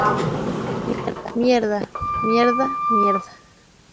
Mierda, mierda, mierda.